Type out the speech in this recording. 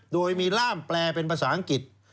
โดยมีร่ามแปลเป็นภาษาอังกฤษ